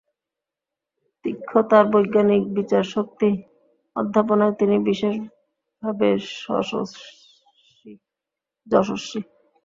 তীক্ষ্ণ তাঁর বৈজ্ঞানিক বিচারশক্তি, অধ্যাপনায় তিনি বিশেষভাবে যশম্বী।